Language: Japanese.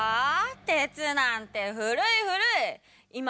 鉄なんて古い古い！